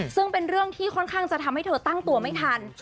ซึ่งเป็นเรื่องที่ค่อนข้างจะทำให้เธอตั้งตัวไม่ทัน